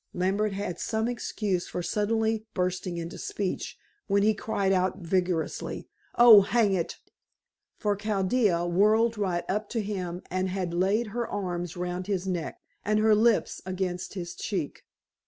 Lambert had some excuse for suddenly bursting into speech, when he cried out vigorously: "Oh, hang it!" for Chaldea whirled right up to him and had laid her arms round his neck, and her lips against his cheek.